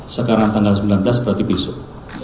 sekarang tanggal sembilan belas berarti besok